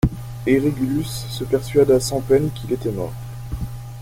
Et Régulus se persuada sans peine qu'il était mort.